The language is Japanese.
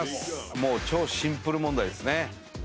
もう超シンプル問題ですね